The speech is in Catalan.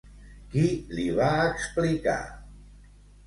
Qui li va explicar?